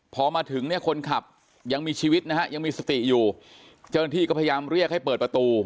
พอมาถึงเนี่ยคนขับยังมีชีวิตนะฮะยังมีสติอยู่เจ้าหน้าที่ก็พยายามเรียกให้เปิดประตู